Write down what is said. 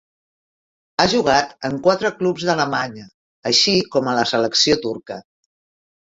Ha jugat en quatre clubs d'Alemanya així com a la selecció turca.